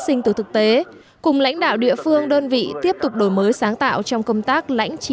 sinh từ thực tế cùng lãnh đạo địa phương đơn vị tiếp tục đổi mới sáng tạo trong công tác lãnh chỉ